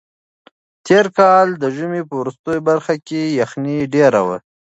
تېر کال د ژمي په وروستۍ برخه کې یخنۍ ډېره وه.